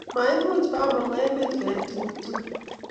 maimuche Bamongo emet koyai tokuk tukul